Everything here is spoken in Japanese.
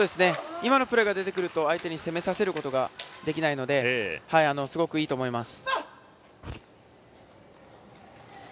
今のプレーが出てくると相手に攻めさせることができないのですごくいいと思います。